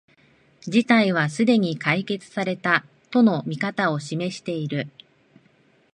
事態はすでに解決された、との見方を示している